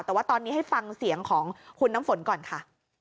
แต่ว่าตอนนี้ให้ฟังเสียงของคุณน้ำฝนก่อนค่ะ